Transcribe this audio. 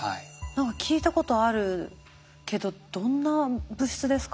何か聞いたことあるけどどんな物質ですか？